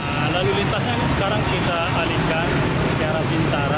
lalu lintasnya sekarang kita alihkan ke arah bintara